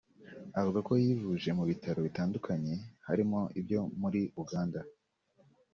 Avuga ko yivuje mu bitaro bitandukanye harimo ibyo muri Uganda